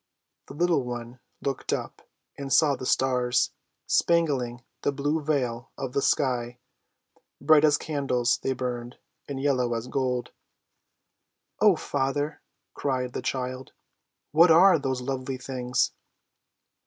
The little one looked up, and saw the stars, spangling the blue veil of the sky; bright as candles they burned, and yellow as gold. "Oh, father," cried the child; "what are those lovely things?"